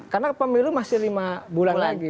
karena pemilu masih lima bulan lagi